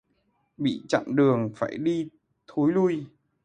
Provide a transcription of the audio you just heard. Bị chặn đường, phải đi thối lui